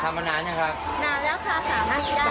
ทำมานานหรือยังครับ